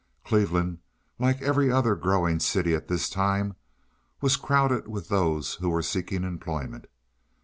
Cleveland, like every other growing city at this time, was crowded with those who were seeking employment.